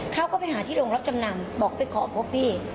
เขาก็ไปหาที่โรงรับจำนำบอกไปขอพบพี่